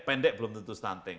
pendek belum tentu stunting